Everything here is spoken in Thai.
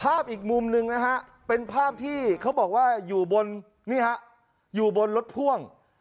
ภาพอีกมุมหนึ่งนะครับเป็นภาพที่เขาบอกว่าอยู่บนรถพ่วง